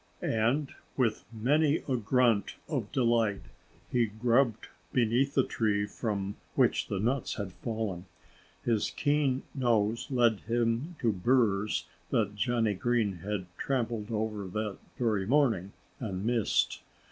And with many a grunt of delight he grubbed beneath the tree from which the nuts had fallen. His keen nose led him to burs that Johnnie Green had trampled over that very morning, and missed.